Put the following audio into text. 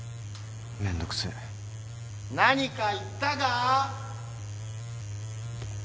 何か言ったか！？